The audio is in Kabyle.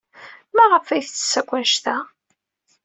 Maɣef ay tettess akk anect-a?